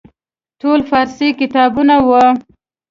ټول فارسي کتابونه وو.